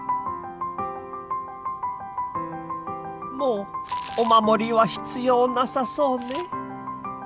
もうお守りは必要なさそうね。